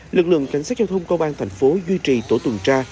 lực lượng cảnh sát giao thông cao bang thành phố duy trì tổ tuần tra